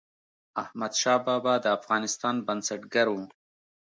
احمدشاه بابا د افغانستان بنسټګر و.